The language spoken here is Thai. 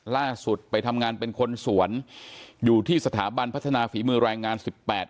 ล่าสุดไปทำงานเป็นคนสวนอยู่ที่สถาบันพัฒนาฝีมือแรงงานสิบแปด